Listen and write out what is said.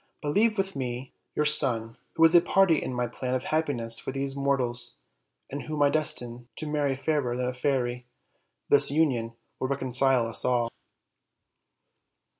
But leave with me your son, who is a party in my plan of happiness for these mor tals, and whom I destine to marry Fairer than a Fairy: this union will reconcile us all."